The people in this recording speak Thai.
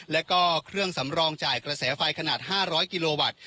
แล้วก็เครื่องสำรองจ่ายกระแสไฟขนาด๕๐๐กิโลวัตต์